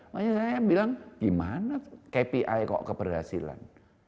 makanya saya bilang gimana kpi kok keberhasilan